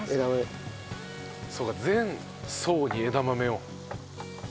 そうか全層に枝豆を。